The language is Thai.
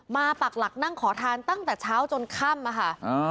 ปักหลักนั่งขอทานตั้งแต่เช้าจนค่ำอะค่ะ